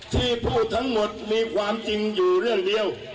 ที่พูดทั้งหมดมีความจริงอยู่เรื่องเดียว